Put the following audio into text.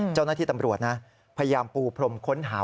เจ้าหน้าที่ตำรวจนะพยายามปูพรมค้นหา